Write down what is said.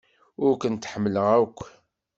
Ur kent-ḥemmleɣ akk.